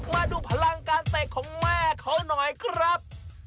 มาดูพลังการเตะของแม่เขาหน่อยครับ